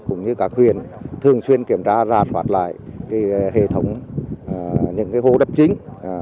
cũng như các huyện thường xuyên kiểm tra rạt hoạt lại hệ thống những hồ đập chính